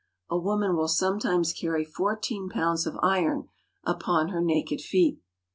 A woman will sometimes carry fourteen pounds 330 AFRICA of iron upon her naked feet.